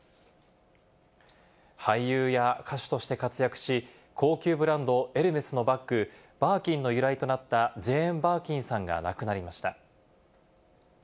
俳優や歌手として活躍し、高級ブランドエルメスのバッグ、バーキンの由来となったジェーン・バーキンさんが亡くなりました。